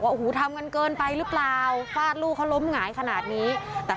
เขาบอกว่าอู้ฮ่าทำกันเกินไปหรือกลัวฝ้าดลูกเขาร้มหงายขนาดนี้